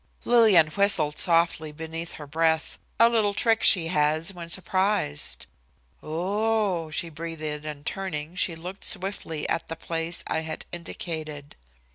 Lillian whistled softly beneath her breath, a little trick she has when surprised. "Oh h h!" she breathed, and turning, she looked swiftly at the place I had indicated.